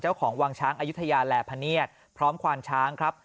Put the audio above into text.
เจ้าของวางช้างอายุทยาแหล่พเนียดพร้อมควานช้างครับ